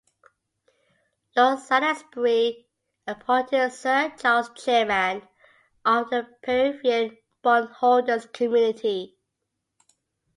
Lord Salisbury appointed Sir Charles Chairman of the Peruvian Bondholders Committee.